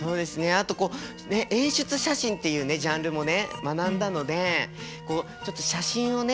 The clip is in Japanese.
あと演出写真っていうねジャンルもね学んだのでちょっと写真をね